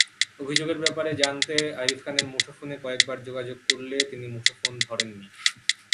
অভিযোগের ব্যাপারে জানতে আরিফ খানের মুঠোফোনে কয়েকবার যোগাযোগ করলে তিনি মুঠোফোন ধরেননি।